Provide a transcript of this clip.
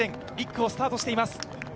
１区をスタートしています。